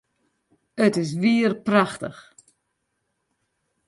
It is wier prachtich!